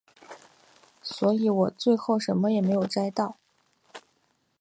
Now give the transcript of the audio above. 所以我最后什么都没有摘到